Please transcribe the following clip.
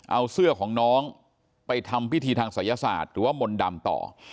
เอาเสื้อของน้องไปทำพิธีทางศัยศาสตร์หรือว่ามนต์ดำต่อ